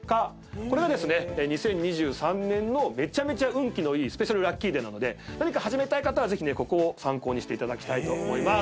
これがですね２０２３年のめちゃめちゃ運気のいいスペシャルラッキーデーなので何か始めたい方はぜひここを参考にしていただきたいと思います。